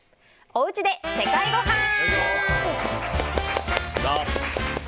おうちで世界ごはん。